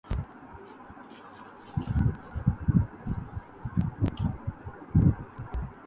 دوسرے سے مختلف، انہیں کچھ زیادہ توجہ، دیکھ بھال کی ضرورت رہتی ہے۔